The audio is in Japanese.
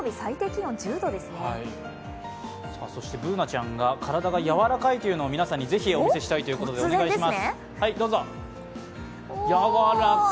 Ｂｏｏｎａちゃんが体が柔らかいというのを皆さんにぜひお見せしたいということでお願いします。